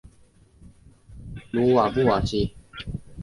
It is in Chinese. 鲁瓦布瓦西。